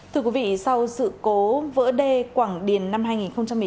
thưa quý vị sau sự cố vỡ đê quảng điền năm hai nghìn một mươi chín